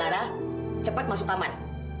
lara cepet masuk kamar